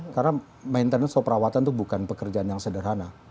karena maintenance atau perawatan itu bukan pekerjaan yang sederhana